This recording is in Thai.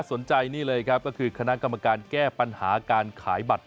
ส่วนคณะกรรมการแก้ปัญหาการขายบัตร